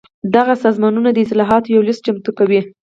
دغه سازمانونه د اصلاحاتو یو لېست چمتو کوي.